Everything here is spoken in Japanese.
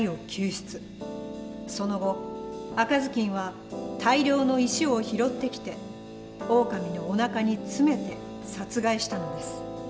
その後赤ずきんは大量の石を拾ってきてオオカミのおなかに詰めて殺害したのです。